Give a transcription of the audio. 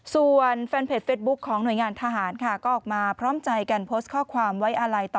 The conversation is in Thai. ส่วนแฟนเพจเฟสบุ๊คของหน่วยงานทหารค่ะก็ออกมาพร้อมใจกันโพสต์ข้อความไว้อาลัยต่อ